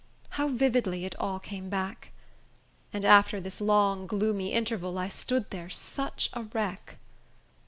How vividly it all came back! And after this long, gloomy interval, I stood there such a wreck!